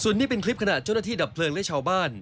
ส่วนนี้เป็นคลิปขณะเจ้าหน้าที่ดับเพลิงและชาวบ้าน